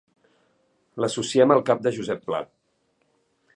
L'associem al cap de Josep Pla.